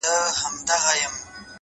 خداى پاماني كومه ـ